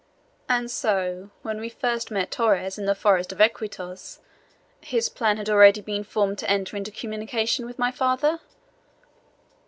"And so, when we first met Torres in the forest of Iquitos, his plan had already been formed to enter into communication with my father?"